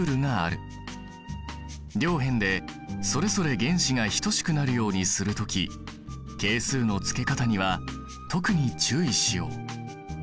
両辺でそれぞれ原子が等しくなるようにする時係数のつけ方には特に注意しよう。